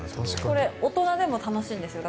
これ、大人でも楽しいんですよ。